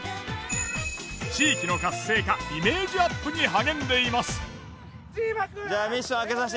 地域の活性化イメージアップに励んでいます。